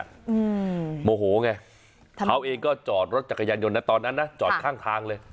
อืมโมโหไงเขาเองก็จอดรถจักรยานยนต์นะตอนนั้นนะจอดข้างทางเลย